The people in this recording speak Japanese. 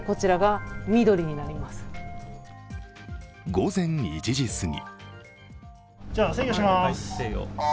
午前１時すぎ。